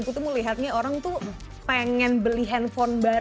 putu melihatnya orang tuh pengen beli handphone